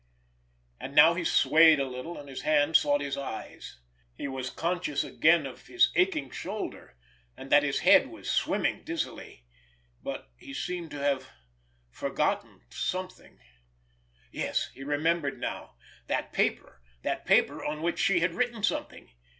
And now he swayed a little, and his hand sought his eyes. He was conscious again of his aching shoulder, and that his head was swimming dizzily—but he seemed to have forgotten something—yes, he remembered now—that paper—that paper on which she had written something.